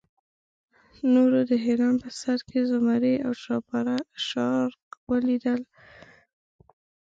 نورو د هرم په سر کې زمري او شارک ولیدل.